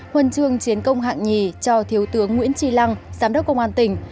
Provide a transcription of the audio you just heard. huân chương chiến công hạng hai cho thiếu tướng nguyễn trì lăng giám đốc công an tỉnh